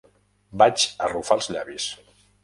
Vaig arrugar els llavis.